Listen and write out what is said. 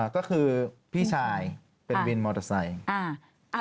ก็คือพี่ชายเป็นวินมอเตอร์ไซค์